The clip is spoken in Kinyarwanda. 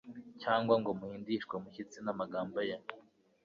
cyangwa ngo muhindishwe umushyitsi namagambo ye